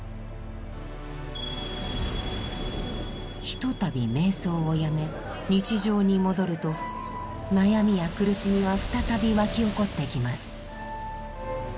ひとたび瞑想をやめ日常に戻ると悩みや苦しみは再びわき起こってきます。